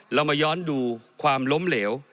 เรามาย้อนดูความล้มเหลว